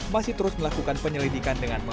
masih terus melakukan penyelidikan dengan memastikan